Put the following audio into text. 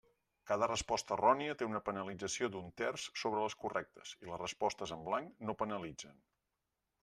Cada resposta errònia té una penalització d'un terç sobre les correctes i les respostes en blanc no penalitzen.